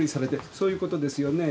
そういうことですよね？